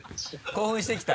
興奮してきた？